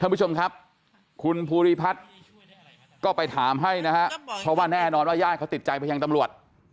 ท่านผู้ชมครับคุณภูริพัฒน์ก็ไปถามให้นะฮะเพราะว่าแน่นอนว่าญาติเขาติดใจไปยังตำรวจ